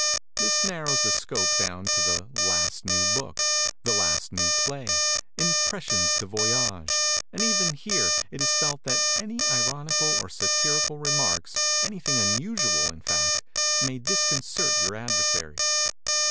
This narrows the scope down to the "last new book," "the last new play," "impressions de voyage," and even here it is felt that any very ironical or satirical remarks, anything unusual, in fact, may disconcert your adversary.